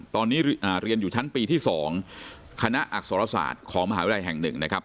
ตอนนี้เรียนอยู่ชั้นปีที่๒คณะอักษรศาสตร์ของมหาวิทยาลัยแห่ง๑นะครับ